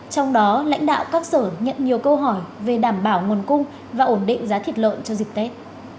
trong đó lãnh đạo các sở nhận nhiều câu hỏi về đảm bảo nguồn cung và ổn định giá thịt lợn cho dịp tết